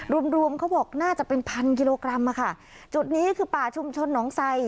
รวมรวมเขาบอกน่าจะเป็นพันกิโลกรัมอ่ะค่ะจุดนี้คือป่าชุมชนหนองไซ